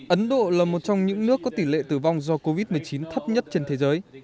ấn độ là một trong những nước có tỷ lệ tử vong do covid một mươi chín thấp nhất trên thế giới